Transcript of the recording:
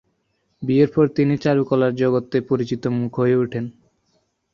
বিয়ের পর তিনি চারুকলার জগতে পরিচিত মুখ হয়ে উঠেন।